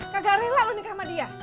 kagak rela lho nikah sama dia